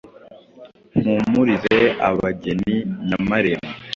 Mpumurize abageni Nyamarembo,